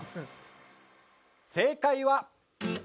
正解は。